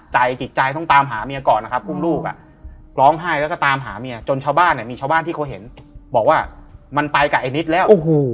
จิตใจต้องตามหาเมียก่อนนะครับอุ้มลูกร้องไห้แล้วก็ตามหาเมียจนชาวบ้านเนี่ยมีชาวบ้านที่เขาเห็นบอกว่ามันไปกับไอ้นิดแล้ว